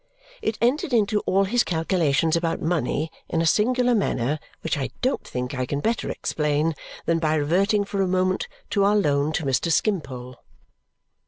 It entered into all his calculations about money in a singular manner which I don't think I can better explain than by reverting for a moment to our loan to Mr. Skimpole.